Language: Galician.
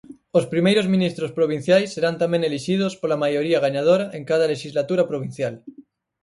Os primeiros ministros provinciais serán tamén elixidos pola maioría gañadora en cada lexislatura provincial.